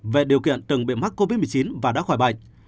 về điều kiện từng bị mắc covid một mươi chín và đã khỏi bệnh